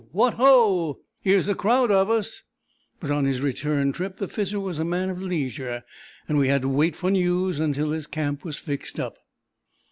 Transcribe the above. What ho! Here's a crowd of us!" but on his return trip the Fizzer was a man of leisure, and we had to wait for news until his camp was fixed up.